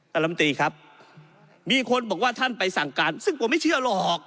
ลำตีครับมีคนบอกว่าท่านไปสั่งการซึ่งผมไม่เชื่อหรอก